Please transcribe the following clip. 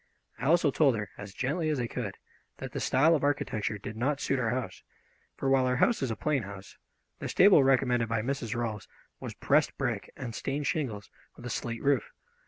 I also told her, as gently as I could, that the style of architecture did not suit our house, for while our house is a plain house, the stable recommended by Mrs. Rolfs was pressed brick and stained shingles, with a slate roof.